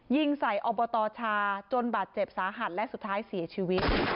ยิงใส่อบตชาจนบาดเจ็บสาหัสและสุดท้ายเสียชีวิต